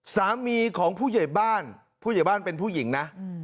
สามีของผู้ใหญ่บ้านผู้ใหญ่บ้านเป็นผู้หญิงนะ